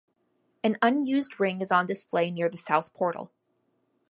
An unused ring is on display near the south portal.